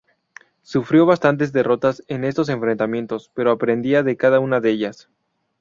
Sufrió bastantes derrotas en estos enfrentamientos, pero aprendía de cada una de ellas.